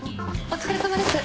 お疲れさまです。